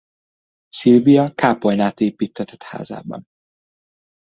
Szilvia kápolnát építtetett házában.